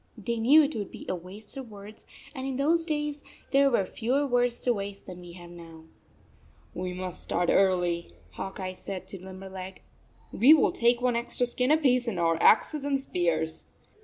They knew it would be a waste of words ; and in those days there were fewer words to waste than we have now. "We must start early," Hawk Eye said to Limberleg. " We will take one extra skin apiece and our axes and spears."